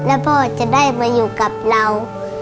แล้วพ่อจะได้มาอยู่กับเรา